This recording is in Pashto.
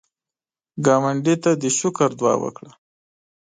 ګاونډي ته د شکر دعا وکړه